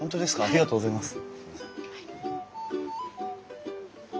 ありがとうございます。